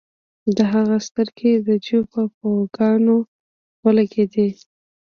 د هغه سترګې د جو په پوکاڼو ولګیدې